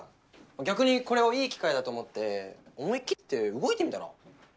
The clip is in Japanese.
逆にこれをいい機会だと思って思い切って動いてみたら？